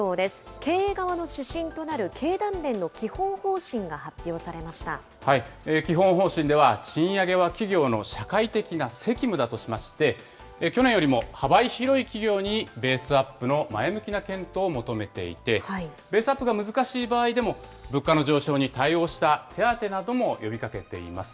経営側の指針となる経団連の基本基本方針では、賃上げは企業の社会的な責務だとしまして、去年よりも幅広い企業にベースアップの前向きな検討を求めていて、ベースアップが難しい場合でも、物価の上昇に対応した手当なども呼びかけています。